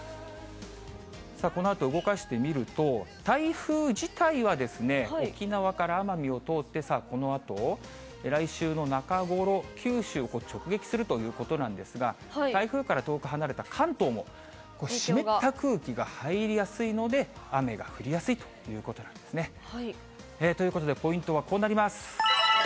さあ、このあと動かしてみると、台風自体は、沖縄から奄美を通って、さあ、このあと？来週の中頃、九州を直撃するということなんですが、台風から遠く離れた関東も、湿った空気が入りやすいので、雨が降りやすいということなんですね。ということで、ポイントはこうなります。